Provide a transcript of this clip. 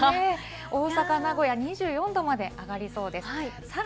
大阪・名古屋、２４度まで上がりそうです。